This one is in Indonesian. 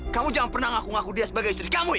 kamu jangan pernah ngaku ngaku dia sebagai istri kamu ya